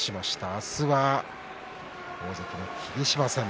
明日は大関の霧島戦。